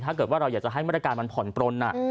ถ้าเกิดว่าเราอยากจะให้มาตรการมันผ่อนปลน